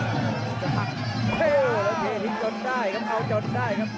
มันกำเท่าที่เขาซ้ายมันกำเท่าที่เขาซ้าย